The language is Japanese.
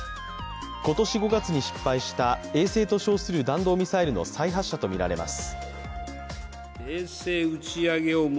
今年５月に失敗した衛星と称する弾道ミサイルの再発射とみられます。